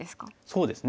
そうですね。